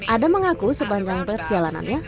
adam mengaku sepanjang perjalanannya